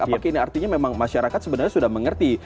apakah ini artinya memang masyarakat sebenarnya sudah mengerti